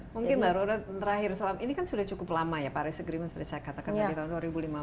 mungkin mbak roda terakhir ini kan sudah cukup lama ya paris agreement seperti saya katakan tadi tahun dua ribu lima belas